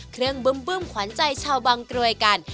เครื่องบึ้มขวัญใจชาวบางกรวยกัน